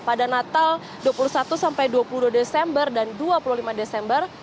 pada natal dua puluh satu sampai dua puluh dua desember dan dua puluh lima desember